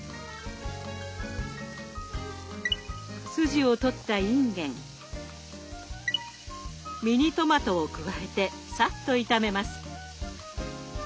筋を取ったいんげんミニトマトを加えてサッと炒めます。